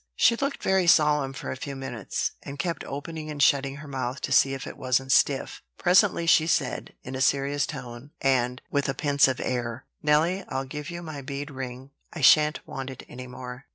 She looked very solemn for a few minutes, and kept opening and shutting her mouth to see if it wasn't stiff. Presently she said, in a serious tone and with a pensive air: "Nelly, I'll give you my bead ring: I shan't want it any more.